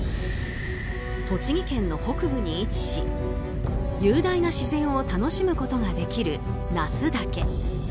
栃木県の北部に位置し雄大な自然を楽しむことができる那須岳。